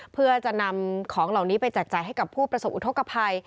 เพื่อจะนำของเหล่านี้ไปแจกจ่ายให้กับผู้ประสบอุทธกภัย